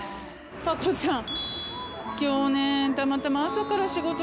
パコちゃん。